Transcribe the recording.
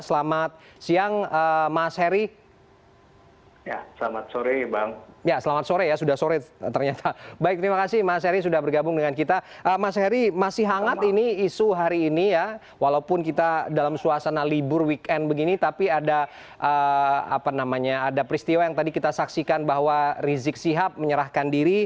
selamat siang mas heri